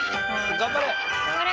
頑張れ！